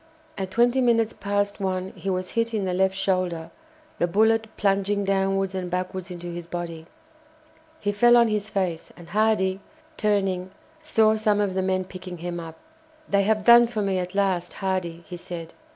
At twenty minutes past one he was hit in the left shoulder, the bullet plunging downwards and backwards into his body. He fell on his face, and Hardy, turning, saw some of the men picking him up. "They have done for me at last, Hardy," he said.